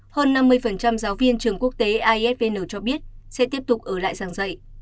hơn năm mươi giáo viên trường quốc tế isvn cho biết sẽ tiếp tục ở lại giảng dạy